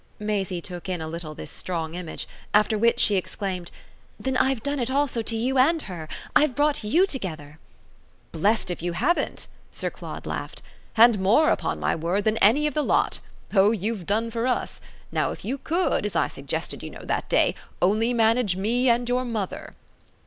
Maisie took in a little this strong image; after which she exclaimed: "Then I've done it also to you and her I've brought YOU together!" "Blest if you haven't!" Sir Claude laughed. "And more, upon my word, than any of the lot. Oh you've done for US! Now if you could as I suggested, you know, that day only manage me and your mother!"